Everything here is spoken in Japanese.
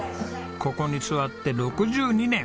ここに座って６２年。